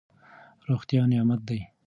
روغتیا نعمت دی.